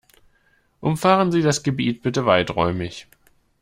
Umfahren Sie das Gebiet bitte weiträumig.